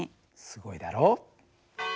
すごいだろう。